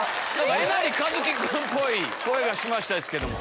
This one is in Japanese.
えなりかずき君っぽい声がしましたですけども。